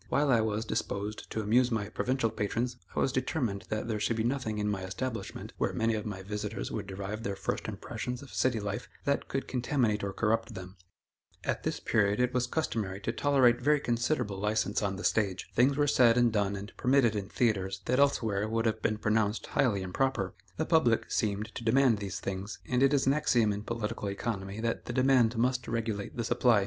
While I was disposed to amuse my provincial patrons, I was determined that there should be nothing in my establishment, where many of my visitors would derive their first impressions of city life, that could contaminate or corrupt them. At this period, it was customary to tolerate very considerable license on the stage. Things were said and done and permitted in theatres that elsewhere would have been pronounced highly improper. The public seemed to demand these things, and it is an axiom in political economy, that the demand must regulate the supply.